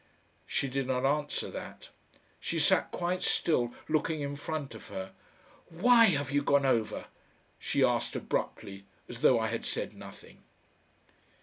She did not answer that. She sat quite still looking in front of her. "WHY have you gone over?" she asked abruptly as though I had said nothing.